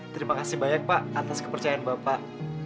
terima kasih banyak pak atas kepercayaan bapak